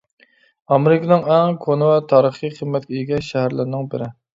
ئامېرىكىنىڭ ئەڭ كونا ۋە تارىخىي قىممەتكە ئىگە شەھەرلىرىنىڭ بىرى.